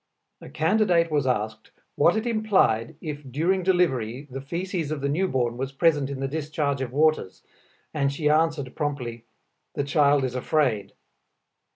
A candidate was asked what it implied if during delivery the foeces of the newborn was present in the discharge of waters, and she answered promptly "the child is afraid."